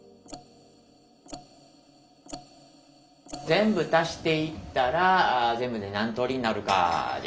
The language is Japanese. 全部足していったら全部で何通りになるかじゃあ森澤。